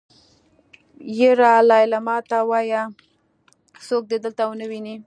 يره ليلما ته وايه څوک دې دلته ونه ويني.